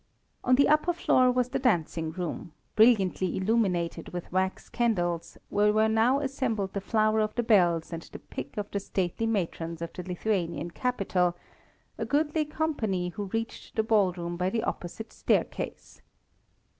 On the upper floor was the dancing room, brilliantly illuminated with wax candles, where were now assembled the flower of the belles and the pick of the stately matrons of the Lithuanian capital a goodly company who reached the ballroom by the opposite staircase.